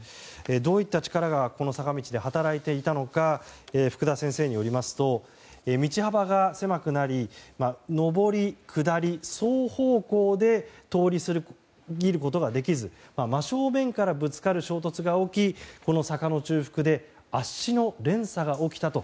どういった力が、この坂道で働いていたのか福田先生によりますと道幅が狭くなり上り下り、双方向で通り過ぎることができず真正面からぶつかる衝突が起きこの坂の中腹で圧死の連鎖が起きたと。